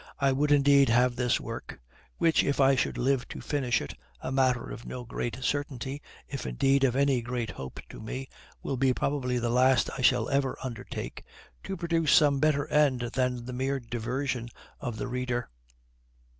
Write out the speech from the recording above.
I would, indeed, have this work which, if I should live to finish it, a matter of no great certainty, if indeed of any great hope to me, will be probably the last I shall ever undertake to produce some better end than the mere diversion of the reader.